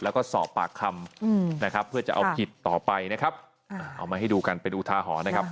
แล้วก็สอบปากคำนะครับเพื่อจะเอาผิดต่อไปนะครับเอามาให้ดูกันไปดูทาหรณ์นะครับ